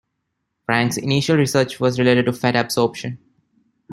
Frank's initial research was related to fat absorption.